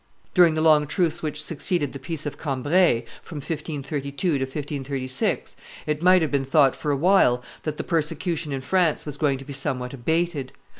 During the long truce which succeeded the peace of Cambrai, from 1532 to 1536, it might have been thought for a while that the persecution in France was going to be somewhat abated.